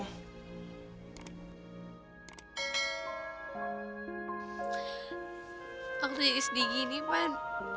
waktu ini istri gini pan